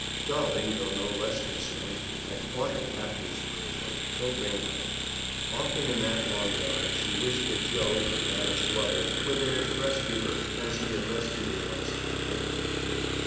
Dolly, though no less concerned, had fought her captors bravely, though vainly. Often in that long ride she wished that Joe, her vanished lover, were there to rescue her as he had rescued her once from Maypole Hugh.